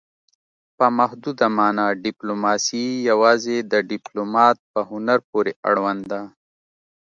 په محدوده مانا ډیپلوماسي یوازې د ډیپلومات په هنر پورې اړوند ده